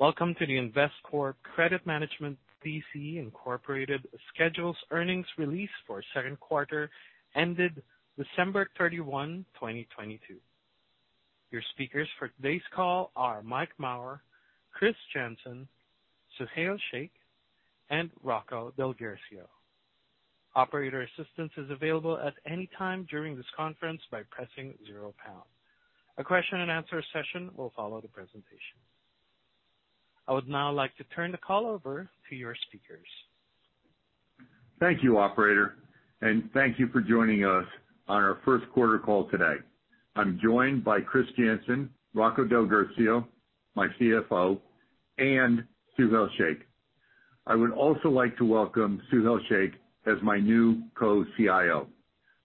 Welcome to the Investcorp Credit Management BDC, Incorporated schedules earnings release for Q2 ended December 31, 2022. Your speakers for today's call are Mike Mauer, Chris Jansen, Suhail Shaikh, and Rocco DelGuercio. Operator assistance is available at any time during this conference by pressing zero pound. A Q&A session will follow the presentation. I would now like to turn the call over to your speakers. Thank you, operator, and thank you for joining us on our Q1 call today. I'm joined by Chris Jansen, Rocco DelGuercio, my CFO, and Suhail Shaikh. I would also like to welcome Suhail Shaikh as my new co-CIO.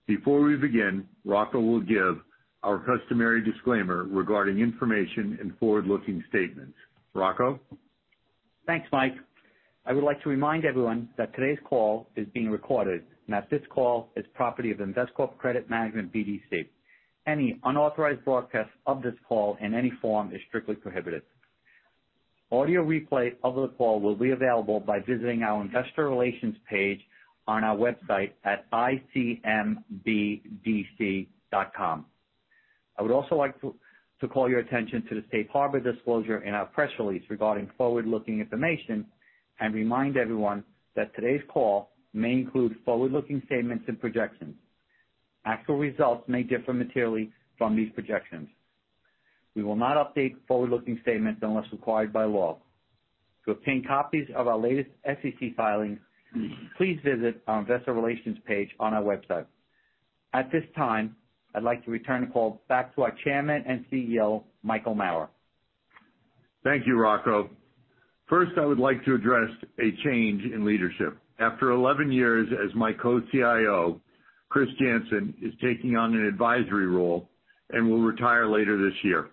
Before we begin, Rocco will give our customary disclaimer regarding information and forward-looking statements. Rocco? Thanks, Mike. I would like to remind everyone that today's call is being recorded, and that this call is property of Investcorp Credit Management BDC. Any unauthorized broadcast of this call in any form is strictly prohibited. Audio replay of the call will be available by visiting our investor relations page on our website at icmbdc.com. I would also like to call your attention to the safe harbor disclosure in our press release regarding forward-looking information and remind everyone that today's call may include forward-looking statements and projections. Actual results may differ materially from these projections. We will not update forward-looking statements unless required by law. To obtain copies of our latest SEC filings, please visit our investor relations page on our website. At this time, I'd like to return the call back to our chairman and CEO, Michael Mauer. Thank you, Rocco. First, I would like to address a change in leadership. After 11 years as my co-CIO, Chris Jansen is taking on an advisory role and will retire later this year.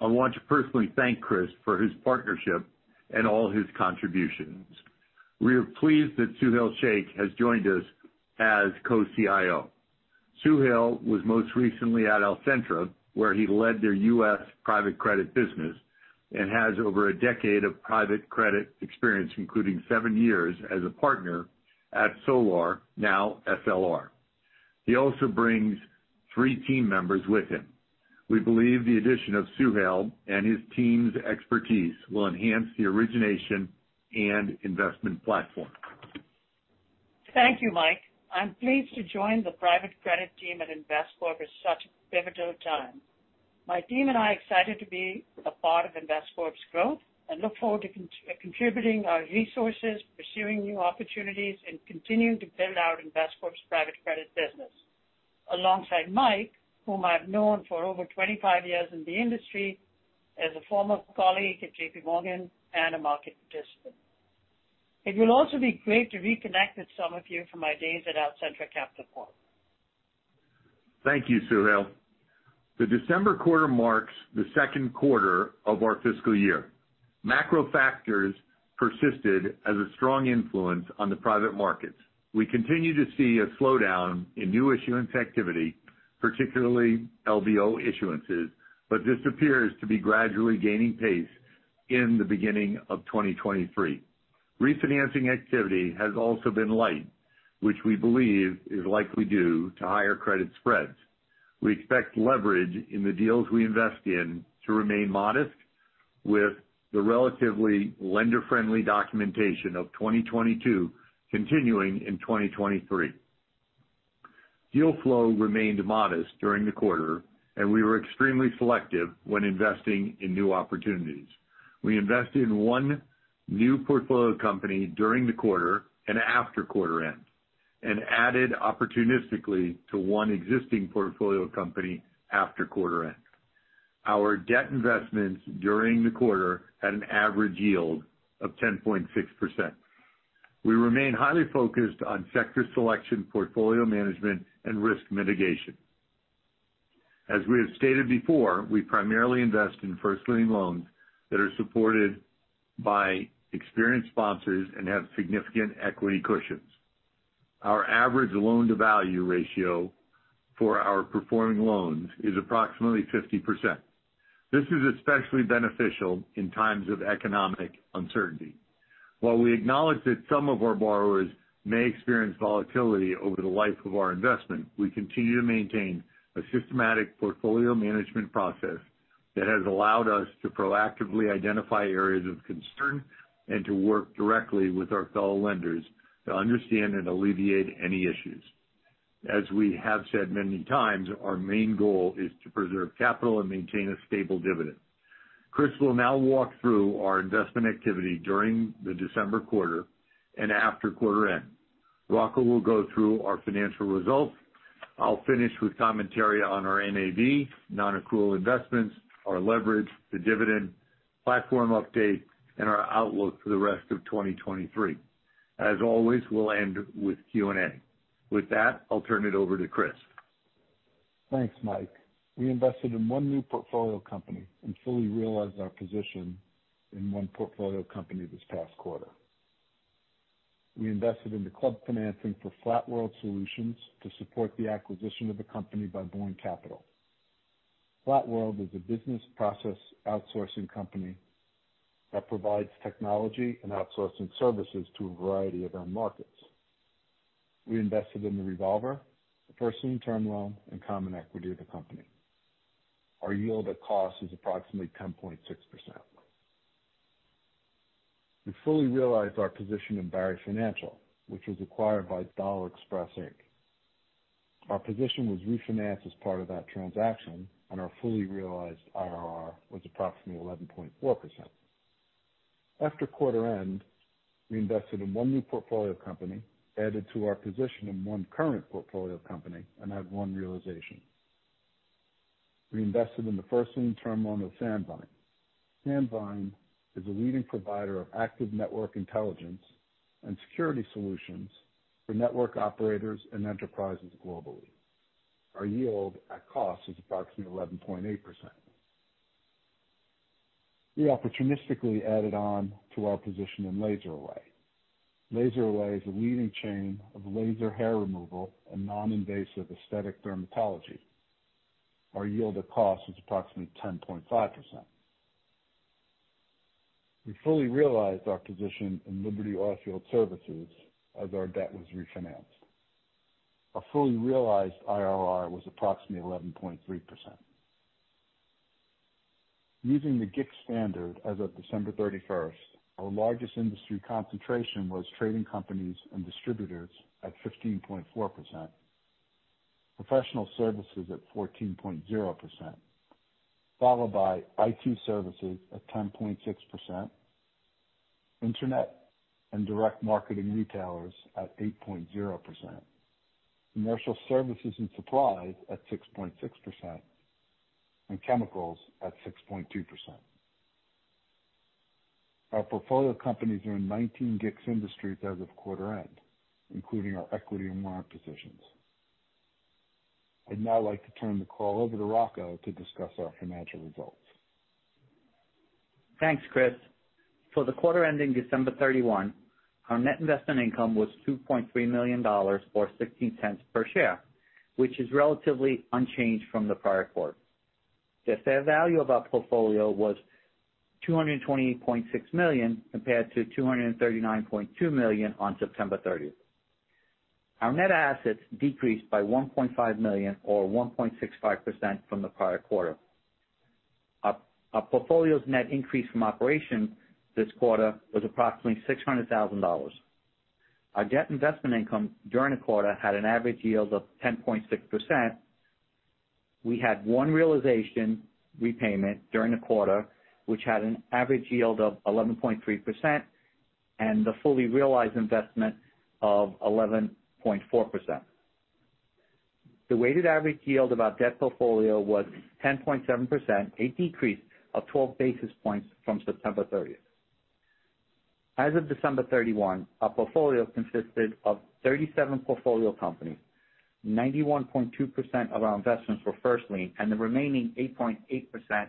I want to personally thank Chris for his partnership and all his contributions. We are pleased that Suhail Shaikh has joined us as co-CIO. Suhail was most recently at Alcentra, where he led their U.S. private credit business and has over a decade of private credit experience, including seven years as a partner at Solar, now SLR. He also brings three team members with him. We believe the addition of Suhail and his team's expertise will enhance the origination and investment platform. Thank you, Mike. I'm pleased to join the private credit team at Investcorp at such a pivotal time. My team and I are excited to be a part of Investcorp's growth and look forward to contributing our resources, pursuing new opportunities, and continuing to build out Investcorp's private credit business alongside Mike, whom I've known for over 25 years in the industry as a former colleague at JPMorgan and a market participant. It will also be great to reconnect with some of you from my days at Alcentra Capital Corp. Thank you, Suhail. The December quarter marks the Q2 of our fiscal year. Macro factors persisted as a strong influence on the private markets. We continue to see a slowdown in new issuance activity, particularly LBO issuances, but this appears to be gradually gaining pace in the beginning of 2023. Refinancing activity has also been light, which we believe is likely due to higher credit spreads. We expect leverage in the deals we invest in to remain modest, with the relatively lender-friendly documentation of 2022 continuing in 2023. Deal flow remained modest during the quarter, and we were extremely selective when investing in new opportunities. We invested in one new portfolio company during the quarter and after quarter end, and added opportunistically to one existing portfolio company after quarter end. Our debt investments during the quarter had an average yield of 10.6%. We remain highly focused on sector selection, portfolio management, and risk mitigation. As we have stated before, we primarily invest in first lien loans that are supported by experienced sponsors and have significant equity cushions. Our average loan-to-value ratio for our performing loans is approximately 50%. This is especially beneficial in times of economic uncertainty. While we acknowledge that some of our borrowers may experience volatility over the life of our investment, we continue to maintain a systematic portfolio management process that has allowed us to proactively identify areas of concern and to work directly with our fellow lenders to understand and alleviate any issues. As we have said many times, our main goal is to preserve capital and maintain a stable dividend. Chris will now walk through our investment activity during the December quarter and after quarter end. Rocco will go through our financial results. I'll finish with commentary on our NAV, non-accrual investments, our leverage, the dividend, platform update, and our outlook for the rest of 2023. As always, we'll end with Q&A. With that, I'll turn it over to Chris. Thanks, Mike. We invested in one new portfolio company and fully realized our position in one portfolio company this past quarter. We invested in the club financing for Flatworld Solutions to support the acquisition of the company by Boyne Capital. Flatworld is a business process outsourcing company that provides technology and outsourcing services to a variety of end markets. We invested in the revolver, the first lien term loan, and common equity of the company. Our yield at cost is approximately 10.6%. We fully realized our position in Barri Financial, which was acquired by Dollar Express, Inc. Our position was refinanced as part of that transaction. Our fully realized IRR was approximately 11.4%. After quarter end, we invested in one new portfolio company, added to our position in one current portfolio company and had one realization. We invested in the first lien term loan of Sandvine. Sandvine is a leading provider of active network intelligence and security solutions for network operators and enterprises globally. Our yield at cost is approximately 11.8%. We opportunistically added on to our position in LaserAway. LaserAway is a leading chain of laser hair removal and non-invasive aesthetic dermatology. Our yield at cost is approximately 10.5%. We fully realized our position in Liberty Oilfield Services as our debt was refinanced. Our fully realized IRR was approximately 11.3%. Using the GICS standard as of December 31st, our largest industry concentration was trading companies and distributors at 15.4%, professional services at 14.0%, followed by IT services at 10.6%, internet and direct marketing retailers at 8.0%, commercial services and supplies at 6.6%, and chemicals at 6.2%. Our portfolio companies are in 19 GICS industries as of quarter end, including our equity and warrant positions. I'd now like to turn the call over to Rocco to discuss our financial results. Thanks, Chris. For the quarter ending December 31, our net investment income was $2.3 million, or $0.16 per share, which is relatively unchanged from the prior quarter. The fair value of our portfolio was $228.6 million, compared to $239.2 million on September 30. Our net assets decreased by $1.5 million, or 1.65% from the prior quarter. Our portfolio's net increase from operation this quarter was approximately $600,000. Our debt investment income during the quarter had an average yield of 10.6%. We had one realization repayment during the quarter, which had an average yield of 11.3%, and the fully realized investment of 11.4%. The weighted average yield of our debt portfolio was 10.7%, a decrease of 12 basis points from September 30th. As of December 31, our portfolio consisted of 37 portfolio companies. 91.2% of our investments were first lien, and the remaining 8.8%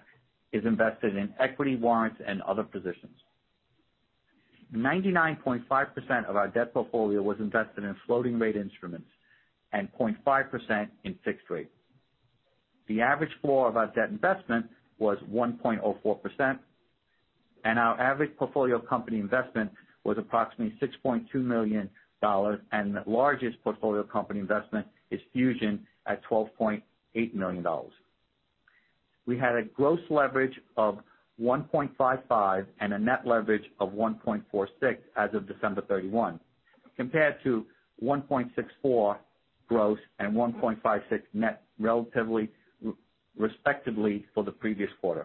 is invested in equity warrants and other positions. 99.5% of our debt portfolio was invested in floating rate instruments and 0.5% in fixed rate. The average floor of our debt investment was 1.04%, and our average portfolio company investment was approximately $6.2 million. The largest portfolio company investment is Fusion at $12.8 million. We had a gross leverage of 1.55x and a net leverage of 1.46x as of December 31, compared to 1.64x gross and 1.56x net respectively for the previous quarter.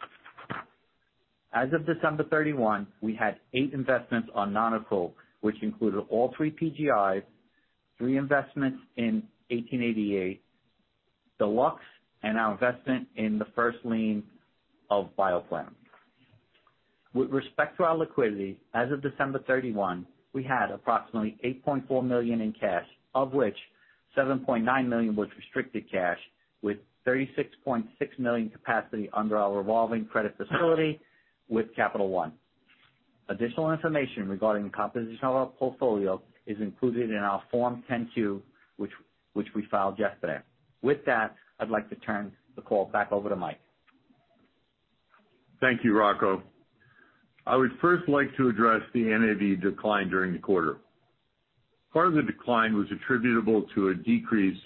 As of December 31, we had eight investments on non-accrual which included all three PGIs, three investments in 1888, Deluxe and our investment in the first lien of Bioplan. With respect to our liquidity, as of December 31, we had approximately $8.4 million in cash, of which $7.9 million was restricted cash, with $36.6 million capacity under our revolving credit facility with Capital One. Additional information regarding the composition of our portfolio is included in our Form 10-Q, which we filed yesterday. With that, I'd like to turn the call back over to Mike. Thank you, Rocco. I would first like to address the NAV decline during the quarter. Part of the decline was attributable to a decrease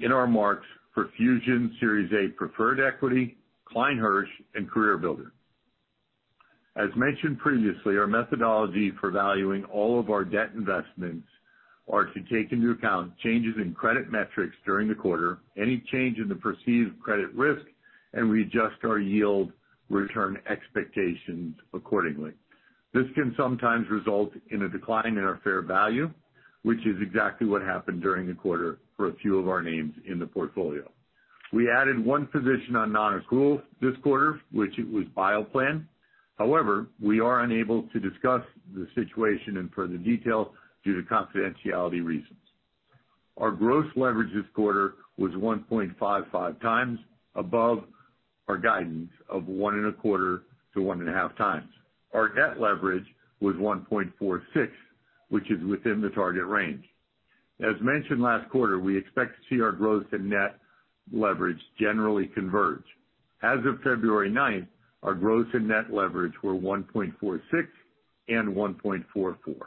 in our marks for Fusion Series A preferred equity, Klein Hersh and CareerBuilder. As mentioned previously, our methodology for valuing all of our debt investments are to take into account changes in credit metrics during the quarter, any change in the perceived credit risk, and we adjust our yield return expectations accordingly. This can sometimes result in a decline in our fair value, which is exactly what happened during the quarter for a few of our names in the portfolio. We added one position on non-accrual this quarter, which it was Bioplan. However, we are unable to discuss the situation in further detail due to confidentiality reasons. Our gross leverage this quarter was 1.55x above our guidance of 1.25x-1.50x. Our net leverage was 1.46x, which is within the target range. As mentioned last quarter, we expect to see our gross and net leverage generally converge. As of February 9th, our gross and net leverage were 1.46x and 1.44x.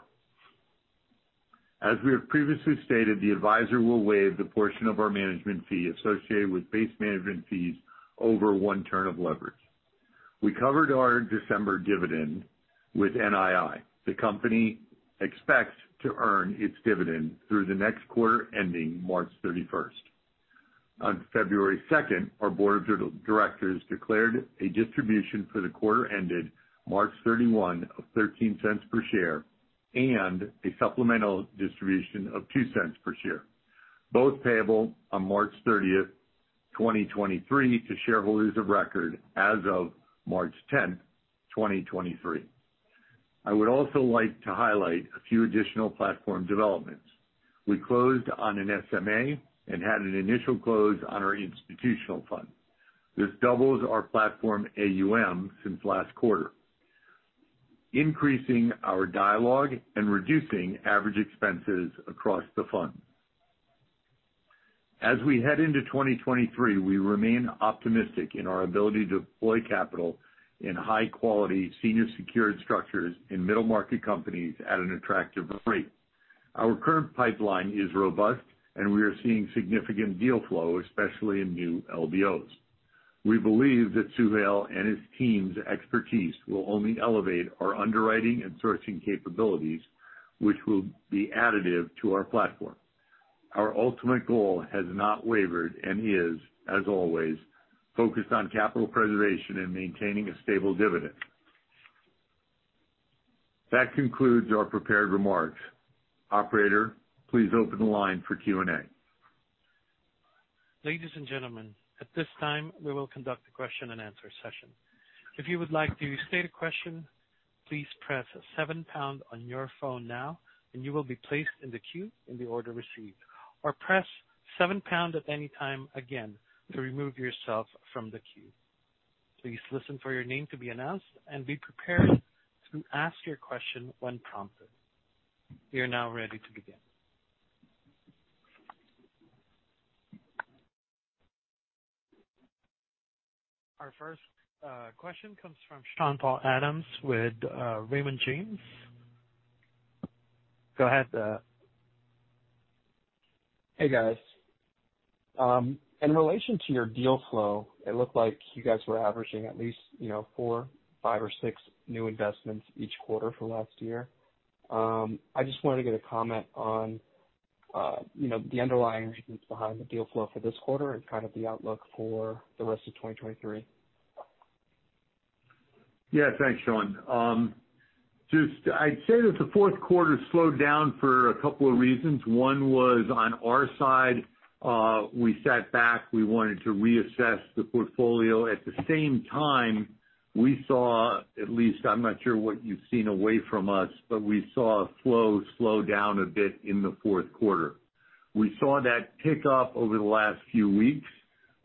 As we have previously stated, the advisor will waive the portion of our management fee associated with base management fees over 1 turn of leverage. We covered our December dividend with NII. The company expects to earn its dividend through the next quarter, ending March 31st. On February 2, our board of directors declared a distribution for the quarter ended March 31 of $0.13 per share and a supplemental distribution of $0.02 per share, both payable on March 30, 2023 to shareholders of record as of March 10, 2023. I would also like to highlight a few additional platform developments. We closed on an SMA and had an initial close on our institutional fund. This doubles our platform AUM since last quarter, increasing our dialogue and reducing average expenses across the fund. As we head into 2023, we remain optimistic in our ability to deploy capital in high quality senior secured structures in middle market companies at an attractive rate. Our current pipeline is robust, and we are seeing significant deal flow, especially in new LBOs. We believe that Suhail and his team's expertise will only elevate our underwriting and sourcing capabilities, which will be additive to our platform. Our ultimate goal has not wavered and is, as always, focused on capital preservation and maintaining a stable dividend. That concludes our prepared remarks. Operator, please open the line for Q&A. Ladies and gentlemen, at this time, we will conduct the Q&A. If you would like to state a question, please press seven pound on your phone now and you will be placed in the queue in the order received. Or press seven pound at any time again to remove yourself from the queue. Please listen for your name to be announced and be prepared to ask your question when prompted. We are now ready to begin. Our first question comes from Sean-Paul Adams with Raymond James. Go ahead. Hey, guys. In relation to your deal flow, it looked like you guys were averaging at least you know, four, five, or six new investments each quarter for last year. I just wanted to get a comment on, you know, the underlying reasons behind the deal flow for this quarter and kind of the outlook for the rest of 2023. Thanks, Sean. I'd say that the Q4 slowed down for a couple of reasons. One was on our side, we sat back, we wanted to reassess the portfolio. At the same time, we saw at least I'm not sure what you've seen away from us, but we saw flow slow down a bit in the Q4. We saw that pick up over the last few weeks.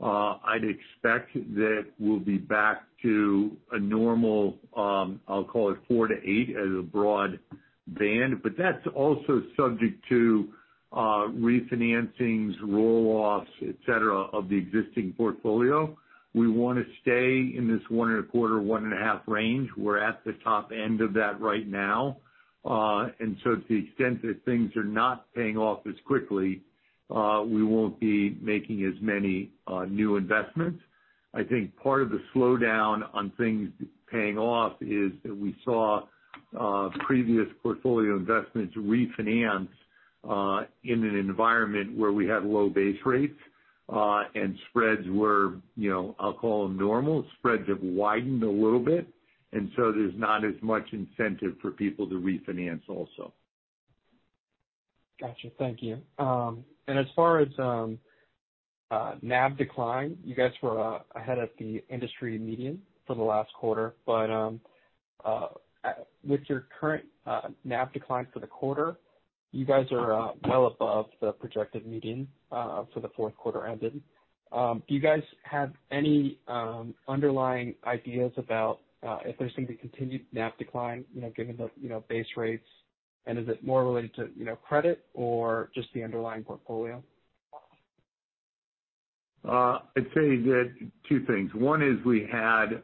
I'd expect that we'll be back to a normal, I'll call it four-eight as a broad band, that's also subject to refinancings, roll-offs, et cetera, of the existing portfolio. We wanna stay in this one and a quarter, one and a half range. We're at the top end of that right now. To the extent that things are not paying off as quickly, we won't be making as many new investments. I think part of the slowdown on things paying off is that we saw previous portfolio investments refinance in an environment where we had low base rates, and spreads were, you know, I'll call them normal. Spreads have widened a little bit, so there's not as much incentive for people to refinance also. Gotcha. Thank you. As far as NAV decline, you guys were ahead of the industry median for the last quarter, but with your current NAV decline for the quarter, you guys are well above the projected median for the Q4 ended. Do you guys have any underlying ideas about if there's gonna be continued NAV decline, you know, given the, you know, base rates, and is it more related to, you know, credit or just the underlying portfolio? I'd say that two things. One is we had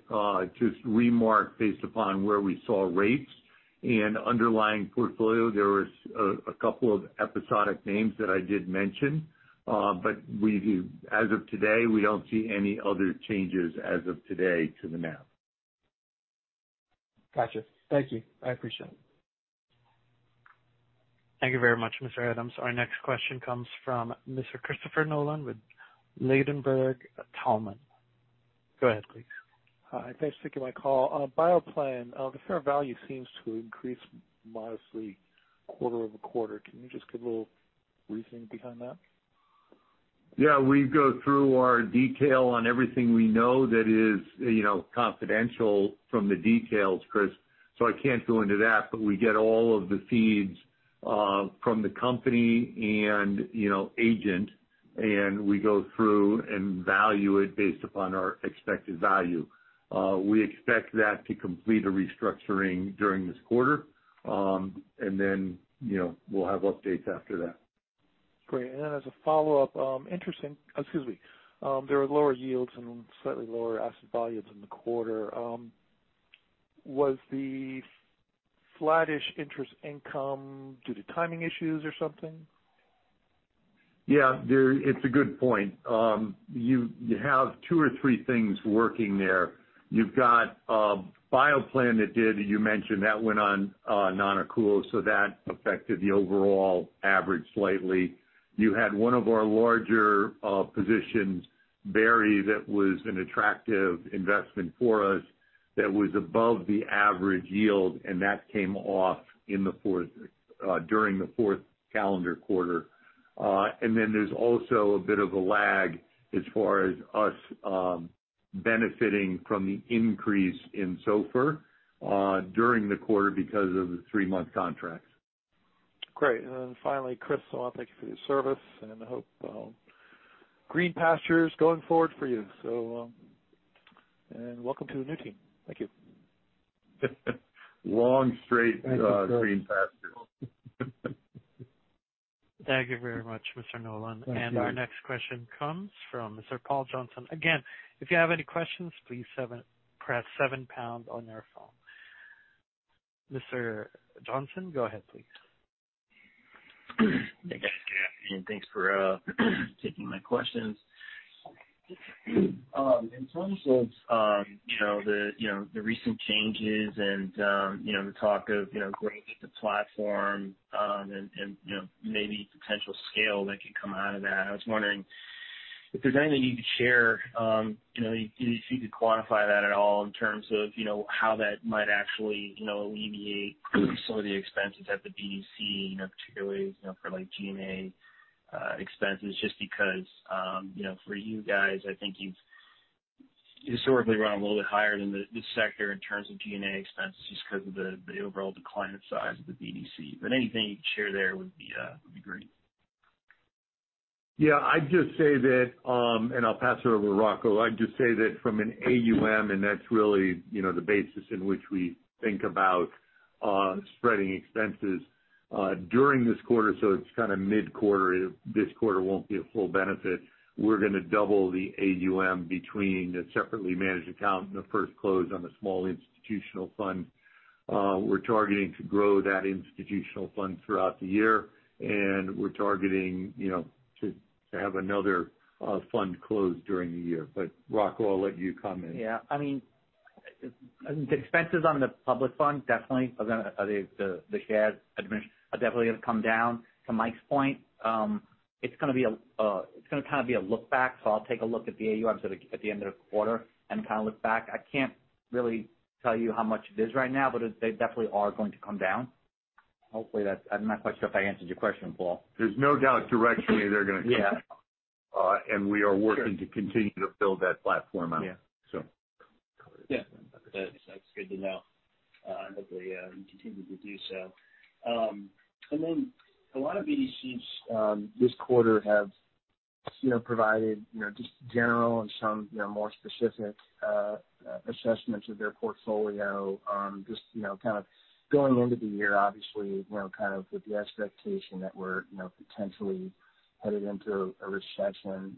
just remarked based upon where we saw rates and underlying portfolio. There was a couple of episodic names that I did mention, but as of today, we don't see any other changes as of today to the NAV. Gotcha. Thank you. I appreciate it. Thank you very much, Mr. Adams. Our next question comes from Mr. Christopher Nolan with Ladenburg Thalmann. Go ahead, please. Hi. Thanks for taking my call. Bioplan, the fair value seems to increase modestly quarter-over-quarter. Can you just give a little reasoning behind that? Yeah, we go through our detail on everything we know that is, you know, confidential from the details, Chris. I can't go into that, but we get all of the feeds from the company and, you know, agent, and we go through and value it based upon our expected value. We expect that to complete a restructuring during this quarter. You know, we'll have updates after that. Great. Then as a follow-up, Excuse me. There are lower yields and slightly lower asset values in the quarter. Was the flattish interest income due to timing issues or something? Yeah, it's a good point. You have two or three things working there. You've got Bioplan that did, you mentioned, that went on non-accrual, that affected the overall average slightly. You had one of our larger positions, Barri, that was an attractive investment for us, that was above the average yield, that came off in the fourth during the fourth calendar quarter. There's also a bit of a lag as far as us benefiting from the increase in SOFR during the quarter because of the three-month contracts. Great. Finally, Chris, I wanna thank you for your service, and I hope green pastures going forward for you. Welcome to the new team. Thank you. Long. Thank you, sir. green pastures. Thank you very much, Mr. Nolan. Thank you. Our next question comes from Mr. Paul Johnson. Again, if you have any questions, please press seven pound on your phone. Mr. Johnson, go ahead please. Thanks, guys, good afternoon. Thanks for taking my questions. In terms of, you know, the, you know, the recent changes and, you know, the talk of, you know, growing with the platform, and, you know, maybe potential scale that could come out of that, I was wondering if there's anything you need to share, you know, if you could quantify that at all in terms of, you know, how that might actually, you know, alleviate some of the expenses at the BDC, you know, particularly, you know, for like G&A expenses. Just because, you know, for you guys, I think you've historically run a little bit higher than the sector in terms of G&A expenses just because of the overall decline in size of the BDC. Anything you can share there would be great. Yeah, I'd just say that, and I'll pass it over to Rocco. I'd just say that from an AUM, and that's really, you know, the basis in which we think about spreading expenses during this quarter, so it's kinda mid-quarter, this quarter won't be a full benefit. We're gonna double the AUM between the separately managed account and the first close on the small institutional fund. We're targeting to grow that institutional fund throughout the year, and we're targeting, you know, to have another fund close during the year. Rocco, I'll let you comment. Yeah, I mean, the shared admin are definitely gonna come down. To Mike's point, it's gonna kind of be a look back. I'll take a look at the AUMs at the end of the quarter and kinda look back. I can't really tell you how much it is right now, but they definitely are going to come down. Hopefully, I'm not quite sure if I answered your question, Paul. There's no doubt directionally they're gonna come down. Yeah. We are working- Sure to continue to build that platform out. Yeah. So. Yeah. That's, that's good to know. Hopefully, you continue to do so. A lot of BDCs, this quarter have, you know, provided, you know, just general and some, you know, more specific, assessments of their portfolio. Just, you know, kind of going into the year, obviously, you know, kind of with the expectation that we're, you know, potentially headed into a recession.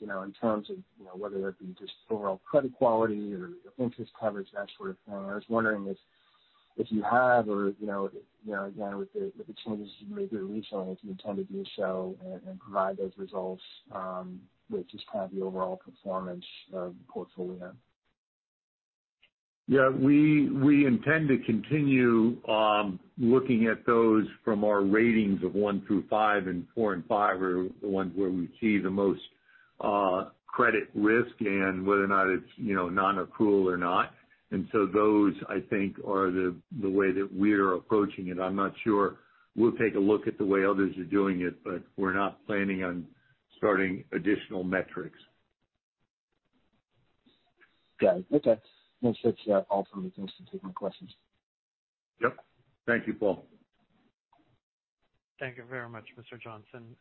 You know, in terms of, you know, whether it be just overall credit quality or interest coverage, that sort of thing. I was wondering if you have or, you know, again, with the changes you've made recently, if you intend to do so and provide those results, with just kind of the overall performance of the portfolio? Yeah. We intend to continue looking at those from our ratings of one through five, and four and five are the ones where we see the most credit risk and whether or not it's, you know, non-accrual or not. Those, I think, are the way that we're approaching it. I'm not sure we'll take a look at the way others are doing it, but we're not planning on starting additional metrics. Got it. Okay. Well, that's all from me. Thanks and take more questions. Yep. Thank you, Paul. Thank you very much, Mr. Johnson.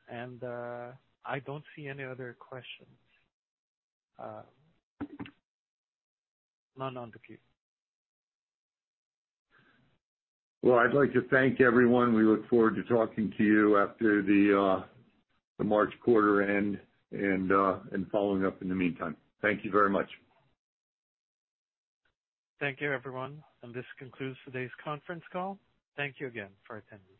I don't see any other questions. None on the queue. I'd like to thank everyone. We look forward to talking to you after the March quarter and following up in the meantime. Thank you very much. Thank you, everyone. This concludes today's conference call. Thank you again for attending.